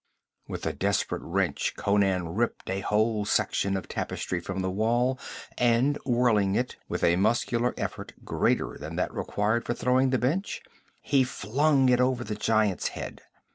With a desperate wrench Conan ripped a whole section of tapestry from the wall and whirling it, with a muscular effort greater than that required for throwing the bench, he flung it over the giant's head.